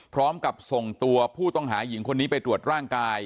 พร้อมกับส่งตัวผู้ต้องหาหญิงคนนี้ไปตรวจร่างกาย